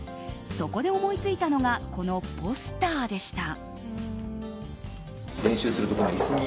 そこで思いついたのがこのポスターでした。